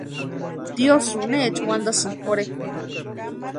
¿Tiosïo neecha wantasïni pʼorhe?